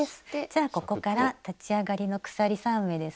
じゃあここから立ち上がりの鎖３目ですね。